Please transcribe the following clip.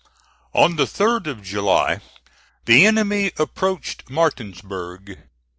On the 3d of July the enemy approached Martinsburg.